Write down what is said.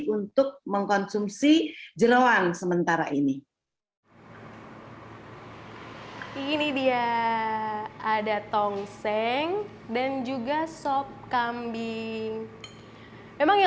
untuk mengkonsumsi jerawan sementara ini ini dia ada tongseng dan juga sop kambing memang yang